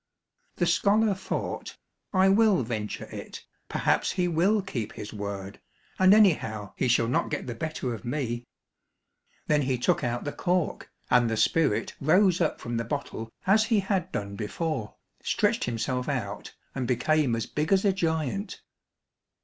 The scholar thought, "I will venture it, perhaps he will keep his word, and anyhow he shall not get the better of me." Then he took out the cork, and the spirit rose up from the bottle as he had done before, stretched himself out and became as big as a giant.